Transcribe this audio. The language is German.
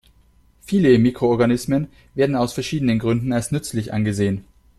Viele Mikroorganismen werden aus verschiedenen Gründen als nützlich angesehen.